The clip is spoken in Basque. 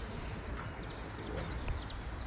Beti izan dugu argi.